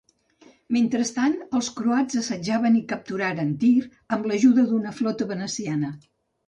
Mentrestant, els croats assetjaven i capturaren Tir, amb l'ajuda d'una flota veneciana.